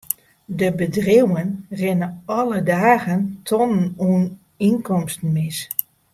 De bedriuwen rinne alle dagen tonnen oan ynkomsten mis.